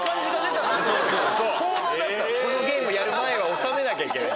このゲームやる前は納めなきゃいけない。